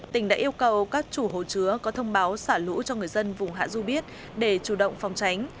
tỉnh đã yêu cầu các chủ hồ chứa có thông báo xả lũ cho người dân vùng hạ du biết để chủ động phòng tránh